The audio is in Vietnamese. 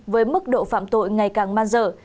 với mức độ phạm tội ngày càng man dở